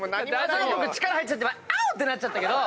僕力入っちゃってオォウ！ってなっちゃったけど。